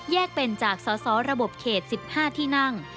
แยกเป็นจาก๓สระบบเขชิ๑๕ที่นั่ง